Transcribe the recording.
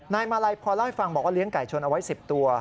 มาลัยพรเล่าให้ฟังบอกว่าเลี้ยงไก่ชนเอาไว้๑๐ตัว